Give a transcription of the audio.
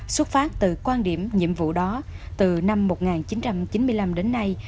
xuất phát từ quan điểm nhiệm vụ đó từ năm một nghìn chín trăm chín mươi năm đến nay